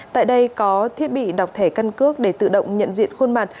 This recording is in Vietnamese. tại đây có thiết bị đọc thẻ căn cước để tự động nhận diện khuôn mặt